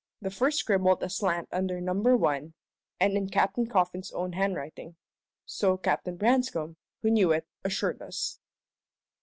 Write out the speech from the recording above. The first scribbled aslant under No. 1, and in Captain Coffin's own handwriting so Captain Branscome, who knew it, assured us.